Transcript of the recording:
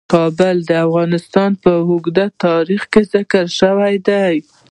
کابل د افغانستان په اوږده تاریخ کې ذکر شوی دی.